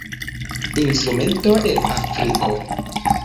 Instrumento el Afriko.